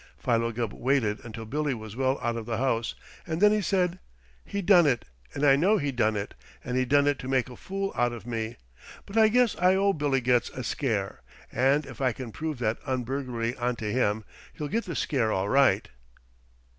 Philo Gubb waited until Billy was well out of the house, and then he said: "He done it, and I know he done it, and he done it to make a fool out of me, but I guess I owe Billy Getz a scare, and if I can prove that un burglary onto him, he'll get the scare all right!"